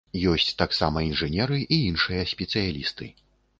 Ёсць таксама інжынеры і іншыя спецыялісты.